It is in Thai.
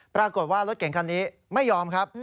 ปรากฏว่ารถเก่งคันนี้ไม่ยอมครับ